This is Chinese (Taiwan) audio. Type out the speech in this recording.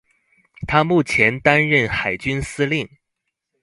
她目前擔任海軍司令